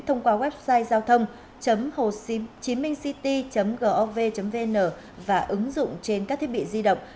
thông qua website giao thông hcc gov vn và ứng dụng trên các thiết bị di động